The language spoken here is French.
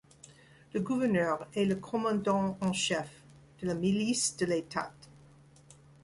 Le gouverneur est le commandant en chef de la milice de l'État.